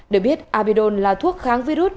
được biết abidol là thuốc kháng virus